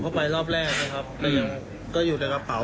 ผมเข้าไปรอบแรกนะครับก็อยู่ในกระเป๋า